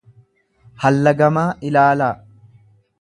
hallagamaa ilaalaa.